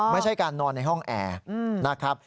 ไม่ใช่การนอนในห้องแอร์นะครับ